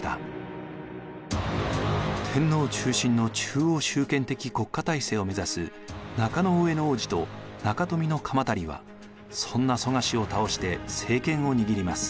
天皇中心の中央集権的国家体制を目指す中大兄皇子と中臣鎌足はそんな蘇我氏を倒して政権を握ります。